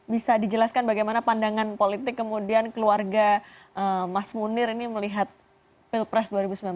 bisa dijelaskan bagaimana pandangan politik kemudian keluarga mas munir ini melihat pilpres